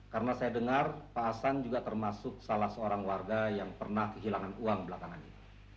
karena saya dengar pak hasan juga termasuk salah seorang warga yang pernah kehilangan uang belakangan ini